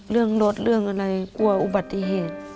เรื่องรถเรื่องอะไรกลัวอุบัติเหตุ